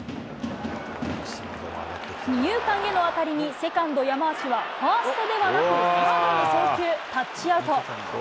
二遊間への当たりにセカンド、山足はファーストではなく、サードに送球、タッチアウト。